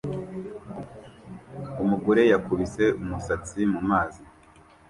Umugore yakubise umusatsi mu mazi